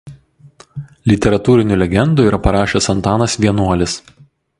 Literatūrinių legendų yra parašęs Antanas Vienuolis.